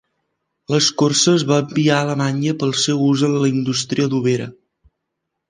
L'escorça es va enviar a Alemanya per al seu ús en la indústria adobera.